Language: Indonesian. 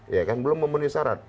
ya kan belum memenuhi syarat